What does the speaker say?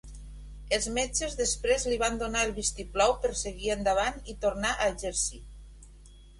Els metges després li van donar el vistiplau per seguir endavant i tornar a exercir.